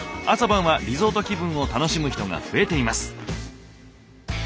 朝晩はリゾート気分を楽しむ人が増えています。